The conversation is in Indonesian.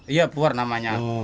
iya puar namanya